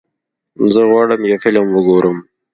زه غواړم یو فلم وګورم.